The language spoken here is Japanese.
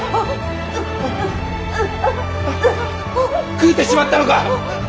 食うてしまったのか！